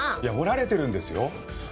いや折られてるんですよ